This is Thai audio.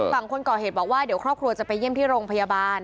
ฝั่งคนก่อเหตุบอกว่าเดี๋ยวครอบครัวจะไปเยี่ยมที่โรงพยาบาล